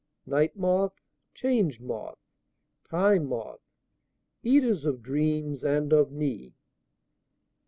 Night Moth, Change Moth, Time Moth, eaters of dreams and of me!